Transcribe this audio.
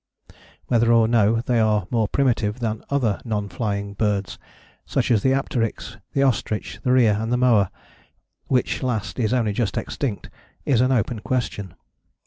Whether or no they are more primitive than other nonflying birds, such as the apteryx, the ostrich, the rhea and the moa, which last is only just extinct, is an open question.